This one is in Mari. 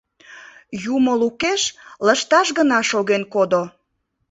Юмо лукеш «лышташ» гына шоген кодо.